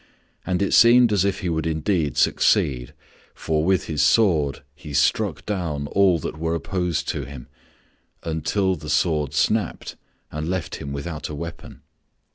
And it seemed as if he would indeed succeed, for with his sword he struck down all that were opposed to him until the sword snapped and left him without a weapon.